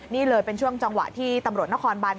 นี่เลยเป็นช่วงจังหวะที่ตำรวจนครบัน